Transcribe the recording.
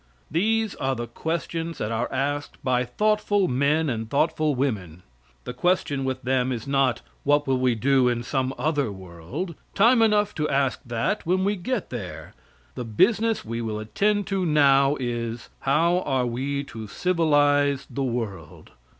These are the questions that are asked by thoughtful men and thoughtful women. The question with them is not, "What will we do in some other world?" Time enough to ask that when we get there. The business we will attend to now is, how are, we to civilize the world?